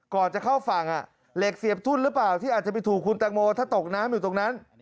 ก่อนจะเข้าฝั่งเหล็กเสียบทุ่นหรือเปล่าที่อาจจะไปถูกคุณแตงโมถ้าตกน้ำอยู่ตรงนั้น